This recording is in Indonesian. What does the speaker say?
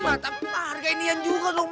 mata margenian juga dong